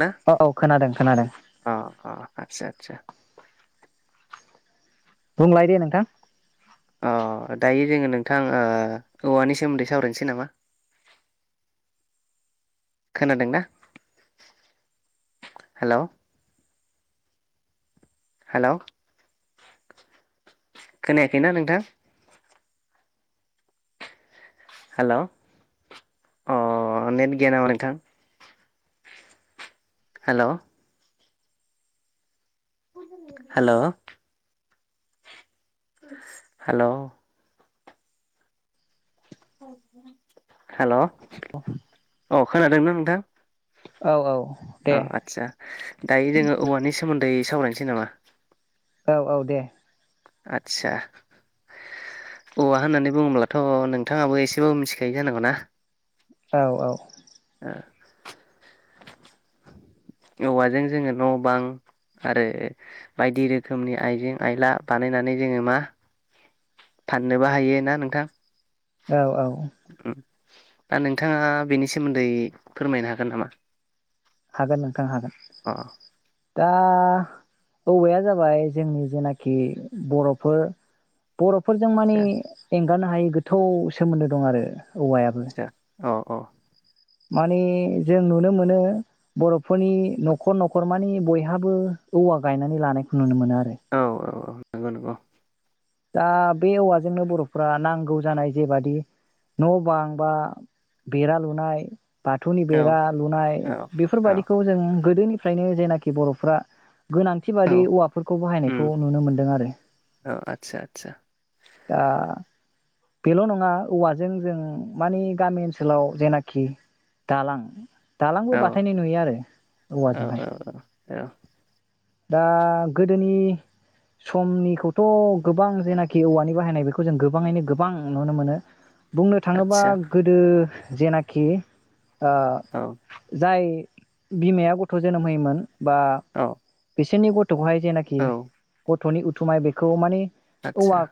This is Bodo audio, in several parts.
ना औ औ खोनादों खोनादों। आतसा बुंलाय दे नोंथां अ दायो जोङो नोंथां ओ औवानि सोमोन्दै सावरायनोसै नामा? खोनादोंना हेलौ हेलौ खोनायाखैना नोंथां? हेलौ अ नेट गैया नामा नोंथां? हेलौ हेलौ हेल' हेल' अ अ खोनादोंना नोंथां? औ औ दे अ आदसा दायो जोङो औवानि सोमोन्दै सावरायनोसै नामा? औ औ दे। आदसा औवा होननानै बुङोब्लाथ' नोंथाङाबो एसेबाबो मिथिखायो जानांगौ ना? औ औ [inaudible] औवाजों जोङो न' बां आरो बायदि रोखोमनि आइजें आइला बानायनानै जोङो मा फाननोबो हायो ना नोंथां। औ औ। उम्म दा नोंथाङा बेनि सोमोन्दै फोरमायनो हागोन नामा? हागोन नोंथां हागोन। अ। दा औवाया जाबाय जोंनि जेनाखि बर'फोर बर' फोरजों माने आदसा हरगानो हायि गोथौ सोमोन्दो दं आरो। औवायाबो अ अ। माने जों नुनो मोनो बर'फोरनि न'खर न'खर मानि बयहाबो औवा गायनानै लानायखौ नुनो मोनो। नो आरो औ औ औ नंगौ नंगौ। दा बे औवाजोंनो बर'फ्रा नांगौ जानाय जेबादि न' बां बा बेरा लुनाय बाथौनि औ बेरा लुनाय औ औ बेफोरबायाददिखौ जों गोदोनि फ्रायनो जायनाखि बर'फ्रा गोनांथि औ बादि औवाफोरखौ बाहायनायखौ नुनो मोनदों आरो। आतसा आतसा। दा बेल' नङा औवाजों जों मानि गामि ओनसोलाव जेनाखि दालां दालांबो औ बाथायनाय नुयो आरो औ औवाजोंहाय। औ औ औ दा गोदोनि समनिखौथ' गोबां जेनाखि औवानि बाहायनाय बेखौ जों गोबाङैनो गोबां नुनो मोनो। बुंनो थाङोबा आदसा गोदो जेनाखि ओ औ जाय बिमाया गथ' जोनोम होयोमोन। बा औ बि सोरनि गथ' हाय जेनाखि औ गथ'नि उथुमाय बेखौ माने औवा आतसा।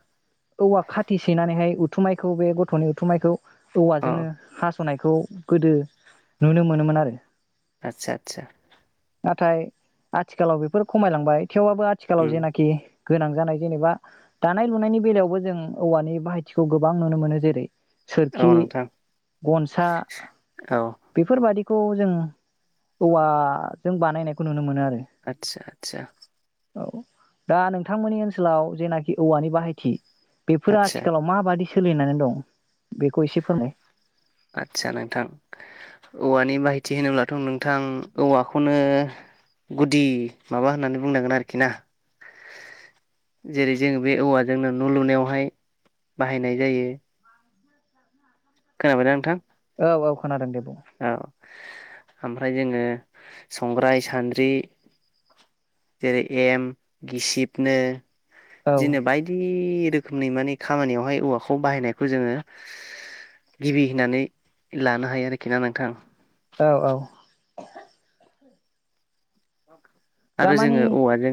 औवा खाथि सैनानैहाय उथुमायखौ बे गथ'नि उथुमायखौ औवा अ जोङो हा सनायखौ गोदो नुनो मोनोमोन आरो। आतसा आतसा। नाथाय आथिखालाव बेफोर खमायलांबाय। थेवाबो आथिखालाव उम जेनाखि गोनां जानाय जेनेबा दानाय लुनायनि बेलायावबो जों औवानि बाहायथिखौ गोबां नुनो मोनो जेरै औ सोरखि, नोंथां गनसा औ बेफोरबायादि खौ जों औवाजों बानायनायखौ नुनो मोनो आरो आदसा आदसा औ दा नोंथांमोननि ओनसोलाव जेनाखि औवानि बाहायथि बेफोरो आदसा आथिखालाव माबादि सोलिनानै दं बेखौ एसे फोरमाय आदसा नोंथां औवानि बाहायथि होनोब्लाथ नोंथां औवाखौनो गुदि माबा होननानै बुंनांगोन आरोखि ना जेरै जोंङो बे औवाजोंनो न लुनायावहाय बाहायनाय जायो खोनाबायदा नोंथां औ औ खोनादों दे बुं औ ओमफ्राय जोङो संग्राय सान्द्रि जेरै एम गिसिबनो औ दिनो बायदि रोखोमनि मानि खामानियावहाय औवाखौ बाहायनायखौ जोङो गिबि होननानै लानो हायो आरोखि ना नोंथां औ औ आरो दामानि जोङो औवाजों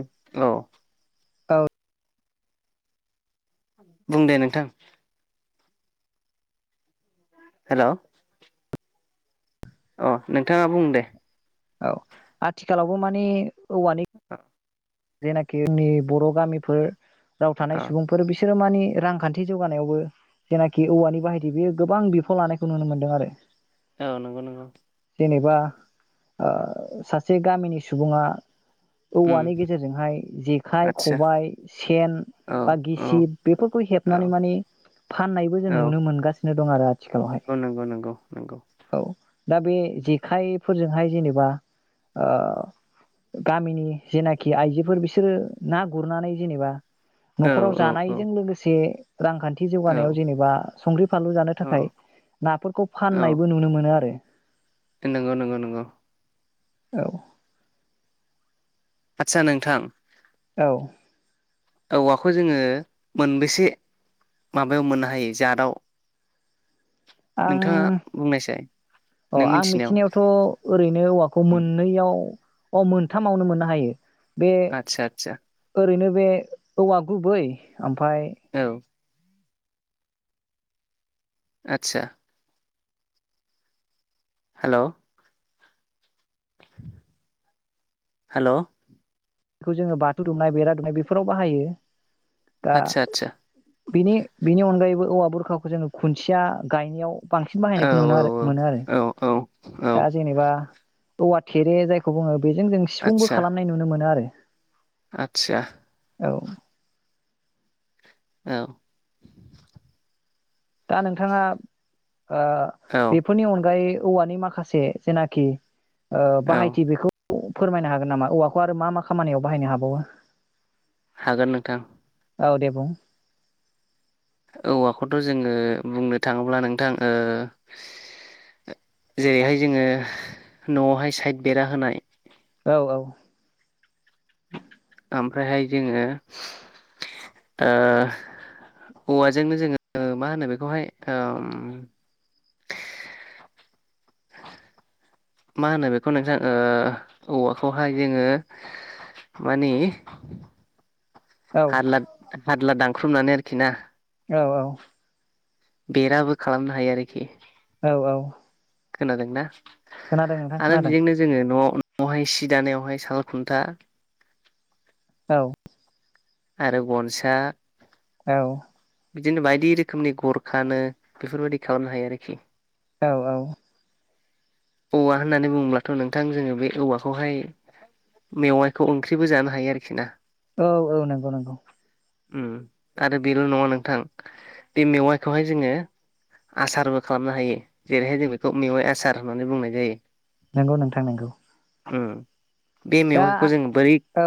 औ औ बुं दे नोंथां हेलौ अ नोंथाङा बुं दे औ आथिखालावबो माने औवानि जेनाखि जोंनि बर गामिफोर राव थानाय औ सुबुंफोर बिस सोरो मानि रांखान्थि जौगानायावबो जेनाखि औवानि बाहायथि बेयो गोबां बिफाव लानायखौ नुनो मोन्दों आरो औ नंगौ नंगौ जेनेबा ओ सासे गामिनि सुबुङा उम वौवानि गे जेरजोंहाय जेखाइ आदसा खबाइ सेन औ बा औ गिसिब बेफोरखौ औ हेबनानै माने फाननायबो जों नुनो मोनगासि [unintelligible] औ नोंगौ नोंगौ नोंगौ औ दा बे जेखाइ फोरजोंहाय जेनेबा ओ गामिनि जेना खि आइजोफोर बिसोरो ना गुरनानै जेनेबा औ नखराव औ औ जानायजों लोगोसे रांखान्थि औ जौगानायाव जेनेबा संख्रि फानलु जानो औ थाखाय नाफोरखौ फाननायबो नुनो मोनो आरो। न नंगौ नंगौ नंगौ। औ आदसा नोंथां औ औवाखौ जोङो मोनबेसे माबायाव मोननो हायो जाताव आं बुंनायसाय औ नों आं मिथिनायाव मिथिनायावथ' ओरैनो औवाखौ मोननैयाव अ मोनथामावनो मोननो हायो। बे आदसा आदसा ओरैनो बे औवा गुबै ओमफ्राय औ आतचा हेल' हेल' बेखौ जोङो बाथौ दुमनाय बेरा दुमनाय बेफोराव बाहायो। आदसा आदसा दानि बेनि अनगायैबो औ बुरखाखौ जोङो खुन्थिया गायनायाव बांसिन औ बाहायनायखौ नु आरो मोनो आरो। औ औ औ दा जेनेबा औवा थेरे जायखौ बुङो बेजों जों सिफुंबो खालामनाय नुनो मोनो आरो। आतसा औ औ दा नोंथाङा ओ औ बेफोरनि अनगायै औवानि माखासे जेनाखि औ बाहायथि बेखौ फोरमायनो हागोन नामा? औवाखौ आरो मा मा खामानियाव बाहायनो हाबावो? हागोन नोंथां। औ दे बुं औवाखौथ' जोङो बुंनो थाङोब्ला नोंथां जेरैहाय जोङो न'आवहाय साइद बेरा होनाय औ औ ओमफ्रायहाय जोङो ओ औवाजोंनो जोङो मा होनो बेखौहाय ओम मा होनो बेखौ नोंसां औवाखौहाय जोङो मानि औ हारला हारला दां खुख्रुबनानै आरोखि ना औ औ। बेराबो खालामनो हायो आरोखि। औ औ। खोनादोंना? खोनादों नोंथां आरो खोनादों बेजोंनो जोङो न' महाय सि दानायावहाय साल खुनथा औ। आरो गनसा औ। बिदिनो बायदि रोखोमनि गरखानो बेफोरबायदि खालामनो हायो आरोखि। औ औ। औवा होननानै बुङोबथ' नोंथां जोङो बे औवाखौहाय मेवाइखौ ओंख्रिबो जानो हायो आरोखि ना। औ औ नोंगौ नोंगौ। उम आरो बेल' नङा नोंथां बे मेवाइखौहाय जोङो आसारबो खालामनो हायो। जेरैहाय जों बेखौ मेवाइ आसार होननानै बुंनाय जायो। नोंगौ नोंथां नोंगौ। उम। बे मेवाइखौ जोङो बोरै औ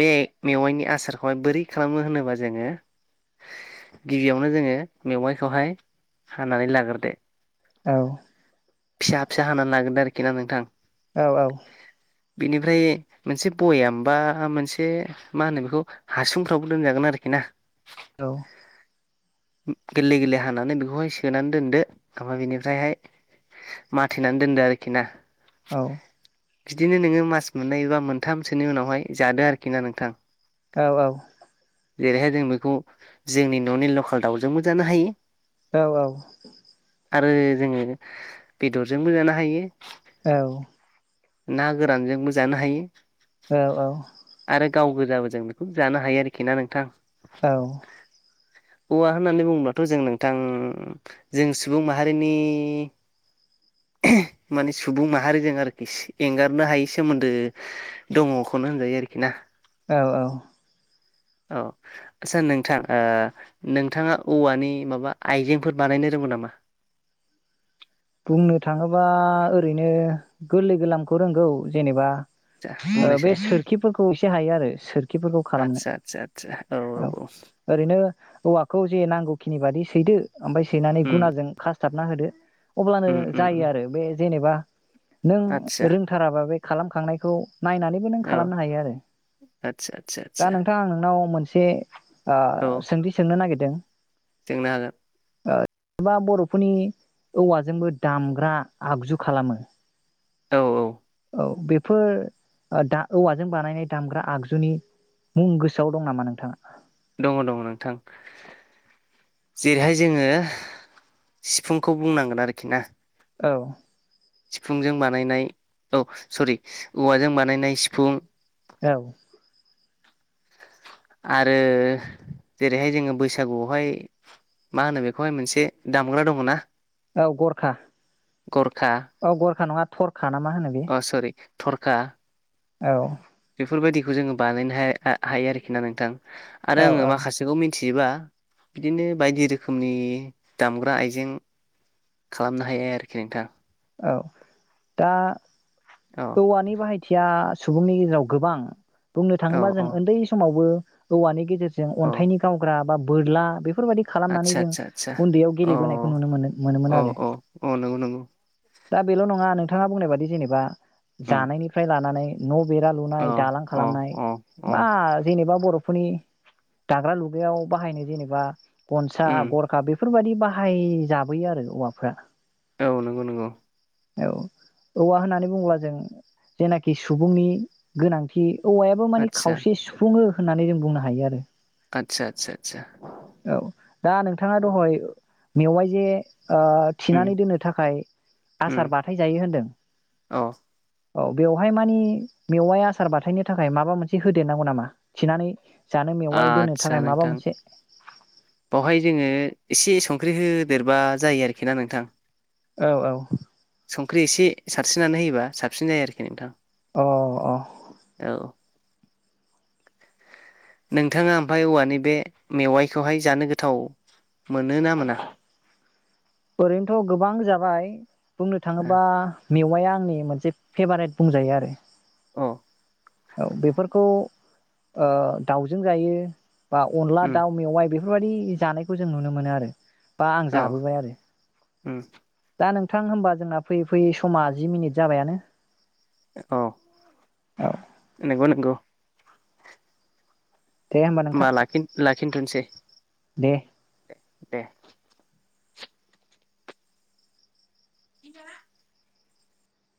बे मेवाइनि आसारखौहाय बोरै खालामो होनोबा जोङो। गिबियावनो जोङो मेवाइखौहाय हानानै लागोरदो। औ। फिसा फिसा हानानै लागोरदो आरोखि ना नोंथां। औ औ। बेनिफ्राय मोनसे बयाम बा मोनसे मा होनो बेखौ हासुंफ्रावबो दोनजागोन आरोखि ना। औ। गोरलै गोरलै हानानै बेखौहाय सोनानै दोनदो ओमफ्राय बेनिफ्रायहाय माथेनानै दोनदो आरोखि ना। औ। बिदिनो नोङो मास मोननै बा मोनथामसोनि उनावहाय जादो आरोखि ना नोंथां। औ औ। जेरैहाय जों बेखौ जोंनि न'नि लकेल दाउजोंबो जानो हायो। औ औ। आरो जोङो बेदरजोंबो जानो हायो। औ। ना गोरानजोंबो जानो हायो। औ औ। आरो गाव गोजाबो जों बेखौ जानो हायो आरोखि ना नोंथां। औ। औवा होननानै बुङोब्लाथ' जों नोंथां जों सुबुं माहारिनि माने सुबुं माहारिजों आरोखि एंगारनो हायै सोमोन्दो दङखौनो होनजायो आरोखि ना। औ औ। औ। आटचा नोंथां ओ नोंथाङा औवानि माबा आइजेंफोर बानायनो रोंगौ नामा? बुंनो थाङोबा ओरैनो गोरलै गोरलामखौ रोंगौ। जेनेबा जा बे बुंनायसाय सोरखिफोरखौ एसे हायो आरो सोरखिफोरखौ खालामनो। औ ओरैनो औवाखौ जे नांगौखिनि बादि सैदो ओमफ्राय सैनानै उम गुनाजों खा [unintelligible] होदो। अब्लानो उम उम उम जायो आरो बे। जेनेबा। नों आदसा रोंथाराबा बे खालामखांनायखौ नायनानैबो नों औ खालामनो हायो आरो आदसा आदसा आदसा दा नोंथां आं नोंनाव मोन से ओ सोंथि सोंनो नागिर दों सोंनो हागोन ओ जेनेबा बर'फोरनि औवाजोंबो दामग्रा आगजु खालामो औ औ औ बेफोर दा औवाजों बानायनाय दामग्रा आगजुनि मुं गोसोआव दं नामा नोंथाङा दङ दङ नोंथां जेरैहाय जोंङो सिफुंखौ बुंनांगोन आरोखि ना औ सिफुंजों बानायनाय औ सरि औवाजों बानायनाय सिफुं [unintelligible] आरो जेरैहाय जोंङो बैसागुयावहाय मा होनो बेखौहाय मोनसे दामग्रा दंङना [unintelligible] औ गरखा औ गरखा नंङा थरखा ना मा होनो बे थरका औ बेफोरबायदिखौ जोंङो बानायनो हा हायो आरोखि ना नोंथां आरो औ आंङो औ माखासेखौ मि थियोबा बिदिनो बायदि रोखोमनि दामग्रा आइजें खालामनो हायो आरोखि नोंथां औ दा औ औवानि बाहायथिया सुबुंनि गेजेराव गोबां बुंनो औ थांङोबा औ जों उन्दै समावबो औवानि गेजेरजों औ अन्थाइनि गावग्रा बा बोरला बे फोरबायदि खालामनानै आदसा जों आदसा आदसा उन्दैयाव अ गेलेबोनायखौ नुनो मोनो मोनोमोन अ आरो अ अ नंगौ नंगौ दा बेल' नंङा नोंथाङा बुंनाय बादि जेनेबा उम। जानायनिफ्राय लानानै न' बेरा अ लुनाय दालां अ खालामनाय अ अ बा जेनेबा बर'फोरनि दाग्रा लुग्रायाव बाहायनाय जेनेबा गनसा उम गरखा बे फोरबायदि बाहाय जाबोयो आरो औवाफ्रा औ नंगौ नंगौ औ औवा होननानै बुङोब्ला जों जेनाखि सुबुंनि गोनांथि औवायाबो माने आदसा खावसे सुफुङो होननानै जों बुंनो हायो आरो आतसा आतसा आतसा औ दा नोंथाङा दहाय मेवाइ जे ओ उम थिनानै दोननो थाखाय उम आसार बानाय जायो होनदों औ औ बेवहाय मानि मेवाइ आसार बाथायनो थाखाय माबा मोनसे होदेरनांगौ नामा थिनानै जानो मेवाइ दोननो आदसा थाखाय माबा नोंथां मोनसे बेावहाय जोङो एसे संख्रि होदेरबा जायो आरोखि ना नोंथां औ औ ओंख्रि एसे सारस्रिनानै होयोबा साबसिन जायो आरोखि नोंथां अ अ औ नोंथाङा ओमफ्राय औवानि बे मेवाइखौहाय जानो गोथाव मोनोना मोना ओरैनोथ' गोबां जाबाय बुंनो अ थाङोब्ला मेवाया आंनि मोनसे फेभारेट बुंजायो आरो औ बेफोरखौ ओ दाउजों जायो बा अनदला उम दाउ मेवाइ बे बेफोरबायदि जानायखौ जों नुनो मोनो आरो बा आं औ जाबोबाय आरो उम दा नों थां होमबा जोंना फैयै फैयै समा जि मिनिट जाबायानो औ औ नोंगौ नोंगौ दे होमबा नोंथां होनोमबा लाखिन-लाखिनथ'सै दे दे [unintelligible]